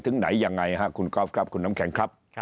ถึงไหนยังไงฮะคุณกอล์ฟครับคุณน้ำแข็งครับ